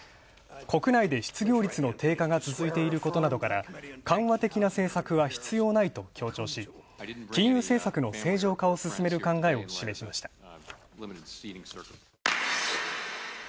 国内で失業率の低下が続けていることなどから緩和的な政策は必要ないと強調し、金融政策の正常化を進める考えを示しました。